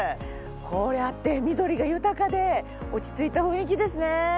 こうやって緑が豊かで落ち着いた雰囲気ですね。